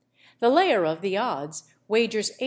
The layer of the odds wagers 84_l.